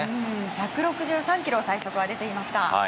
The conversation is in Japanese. １６３キロ最速は出ていました。